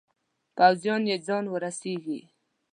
پوځیان یې ځای ورسیږي.